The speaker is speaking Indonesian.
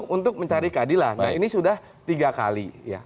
untuk mencari keadilan nah ini sudah tiga kali